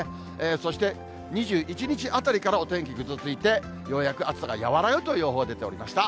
そして、２１日あたりからお天気ぐずついて、ようやく暑さが和らぐという予報出ておりました。